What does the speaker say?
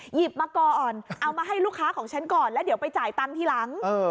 หยิบมาก่อนเอามาให้ลูกค้าของฉันก่อนแล้วเดี๋ยวไปจ่ายตังค์ทีหลัง